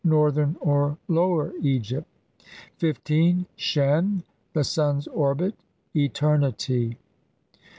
Northern or Lower Egypt. 15. Q. shen The sun's orbit. Eternity.